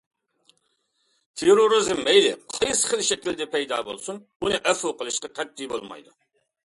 تېررورىزم مەيلى قايسى خىل شەكىلدە پەيدا بولسۇن، ئۇنى ئەپۇ قىلىشقا قەتئىي بولمايدۇ.